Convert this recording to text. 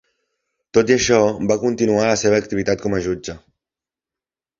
Tot i això, va continuar la seva activitat com a jutge.